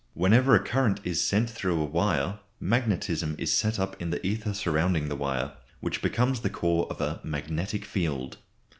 Whenever a current is sent through a wire magnetism is set up in the ether surrounding the wire, which becomes the core of a "magnetic field."